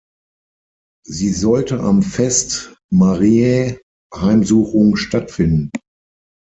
Sie sollte am Fest Mariä Heimsuchung stattfinden.